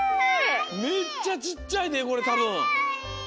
めっちゃちっちゃいでこれたぶん。